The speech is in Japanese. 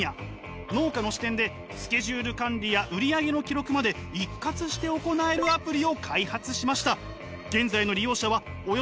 農家の視点でスケジュール管理や売上の記録まで一括して行えるアプリを開発しました。